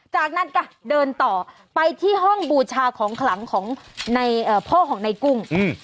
จากนั้นก็เดินต่อไปที่ห้องบูชาของขลังของพ่อของในกุ้ง